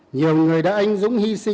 nhiều người đã anh dũng hy sinh